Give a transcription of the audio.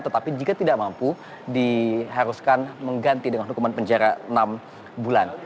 tetapi jika tidak mampu diharuskan mengganti dengan hukuman penjara enam bulan